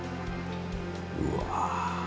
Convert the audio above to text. うわ。